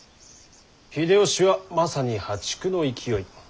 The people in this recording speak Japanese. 秀吉はまさに破竹の勢い。